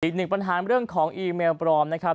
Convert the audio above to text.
อีกหนึ่งปัญหาเรื่องของอีเมลปลอมนะครับ